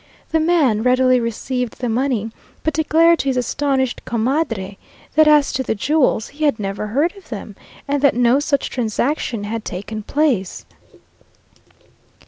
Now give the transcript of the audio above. The man readily received the money, but declared to his astonished comadre, that as to the jewels, he had never heard of them, and that no such transaction had taken place.